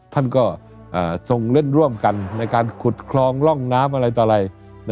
ท่านก็ทรงเล่นร่วมกันในการขุดคลองร่องน้ำอะไรต่ออะไร